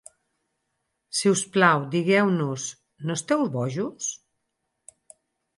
Si us plau, digueu-nos: "No esteu bojos?"